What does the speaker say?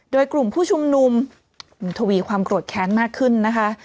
โดยกลุ่มผู้ชุมนุมทวีความโกรธแค้นมากขึ้นนะคะ